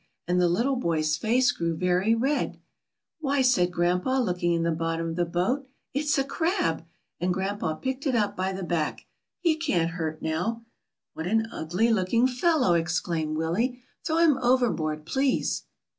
And the little boy's face grew very red ^Why," said grandpa, looking in the bot tom of the boat, ^ fit's a crab!" and grandpa picked it up by the back. ^^He can't hurt now." ^^What an ugly looking fellow!" exclaimed Willie. ^^Throw him overboard, please."